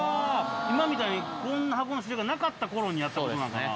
今みたいにこんな箱の種類がなかった頃にやったことなんかな。